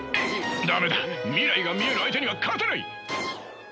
駄目だ未来が見える相手には勝てない！